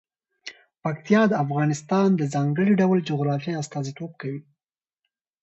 پکتیا د افغانستان د ځانګړي ډول جغرافیه استازیتوب کوي.